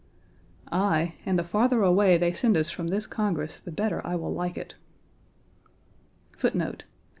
Aye; and the farther away they send us from this Congress the better I will like it.